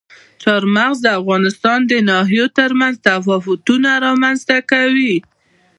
چار مغز د افغانستان د ناحیو ترمنځ تفاوتونه رامنځ ته کوي.